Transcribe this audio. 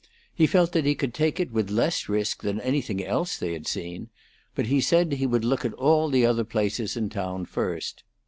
He felt that he could take it with less risk than anything else they had seen, but he said he would look at all the other places in town first.